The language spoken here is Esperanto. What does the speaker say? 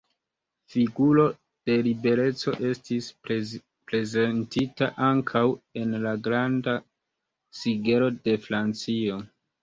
Figuro de Libereco estis prezentita ankaŭ en la Granda Sigelo de Francio.